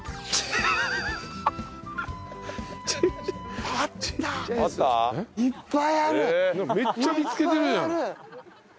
めっちゃ見つけてるじゃん。